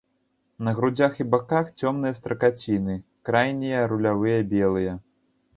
На грудзях і баках цёмныя стракаціны, крайнія рулявыя белыя.